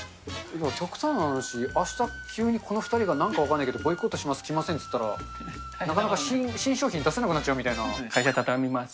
極端な話、あしたこの２人がなんか分かんないけど、ボイコットします、来ませんって言ったら、なかなか新商品出せなくなっちゃうみたい会社畳みます。